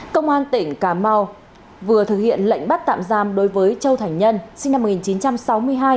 công an tỉnh cà mau vừa thực hiện lệnh bắt tạm giam đối với châu thành nhân sinh năm một nghìn chín trăm sáu mươi hai